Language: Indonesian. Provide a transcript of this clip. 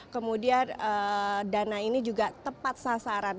kemudian dana ini juga tepat sasaran